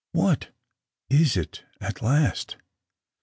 197 "What? Is it? At last?"